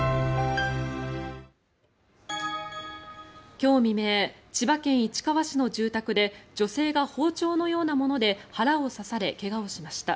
今日未明千葉県市川市の住宅で女性が包丁のようなもので腹を刺され、怪我をしました。